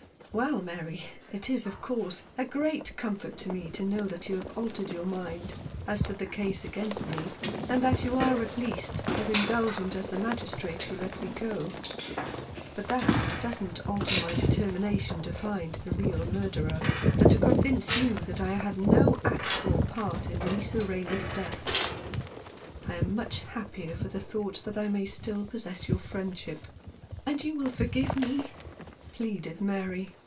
" Well, Mary, it is, of course, a great comfort to me to know that you have altered your mind as to the case against me, and that you are at least as ^indulgent as the Magistrate who let me go ; but that doesn't alter my determination to find the real murderer, and to convince you that I had no act or part in Lisa Rayner's death. I am much happier for the thought that I may still possess your friendship." "And you will forgive me?" pleaded Mary.